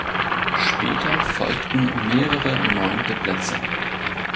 Später folgten mehrere neunte Plätze.